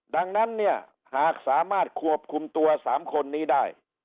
ดังนั้นเนี่ยหากสามารถควบคุมตัว๓คนนี้ได้